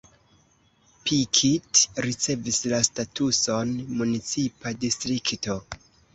Pikit ricevis la statuson municipa distrikto.